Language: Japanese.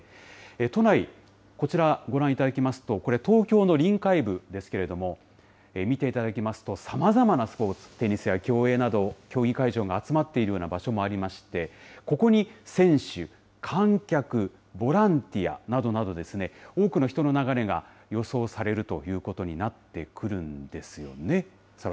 都内、こちらご覧いただきますと、これ、東京の臨海部ですけれども、見ていただきますと、さまざまなスポーツ、テニスや競泳など、競技会場が集まっているような場所もありまして、ここに選手、観客、ボランティアなどなどですね、多くの人の流れが予想されるということになってくるんですよね。